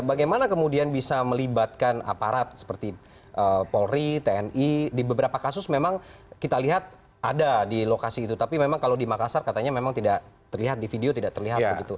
jadi undang undang kemudian bisa melibatkan aparat seperti polri tni di beberapa kasus memang kita lihat ada di lokasi itu tapi memang kalau di makassar katanya memang tidak terlihat di video tidak terlihat begitu